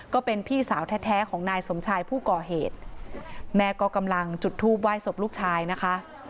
ก็เป็นพี่สาวแท้ของนายสมชายผู้ก่อเหตุแม่ก็กำลังจุดทูปไหว้ศพลูกชายนะคะ